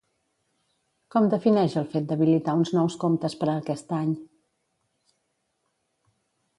Com defineix el fet d'habilitar uns nous comptes per a aquest any?